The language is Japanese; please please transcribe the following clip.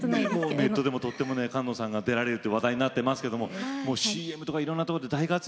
ネットでも菅野さんが出られると話題になってますけどもＣＭとかいろんなとこで大活躍。